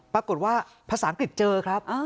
ปรากฏว่าภาษาอังกฤษเจอครับ